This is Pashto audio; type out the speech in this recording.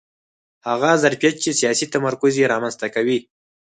هغه ظرفیت چې سیاسي تمرکز یې رامنځته کوي